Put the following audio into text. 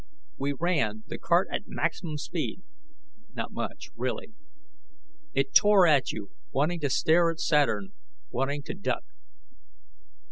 We ran, the cart at maximum speed not much, really. It tore at you, wanting to stare at Saturn, wanting to duck.